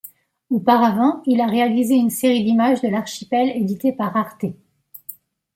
Auparavant, il a réalisé une série d'images de l'archipel éditée par Arte.